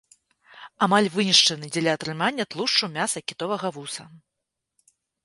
Амаль вынішчаны дзеля атрымання тлушчу, мяса, кітовага вуса.